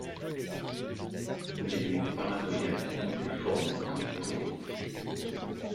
Les nuits paranoïaques dans des Formule un pourris.